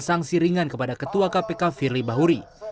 yang tidak apa lagi